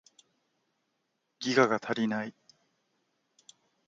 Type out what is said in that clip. ギガが足りない